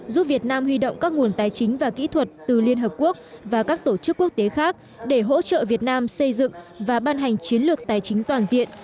giúp việt nam huy động các nguồn tài chính và kỹ thuật từ liên hợp quốc và các tổ chức quốc tế khác để hỗ trợ việt nam xây dựng và ban hành chiến lược tài chính toàn diện